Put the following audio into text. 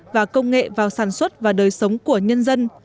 và công nghệ vào sản xuất và đời sống của nhân dân